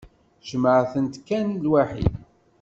Jemɛet-ten kan lwaḥid.